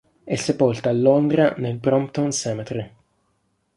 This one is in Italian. È sepolta a Londra nel Brompton Cemetery.